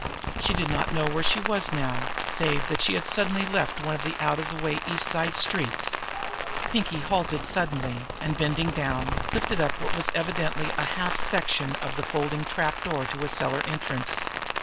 She did not know where she was now, save that she had suddenly left one of the out of the way East Side streets. Pinkie halted suddenly, and, bending down, lifted up what was evidently a half section of the folding trapdoor to a cellar entrance.